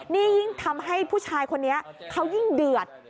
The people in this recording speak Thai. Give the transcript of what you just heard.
นี่ยิ่งทำให้ผู้ชายคนนี้เขายิ่งเดือด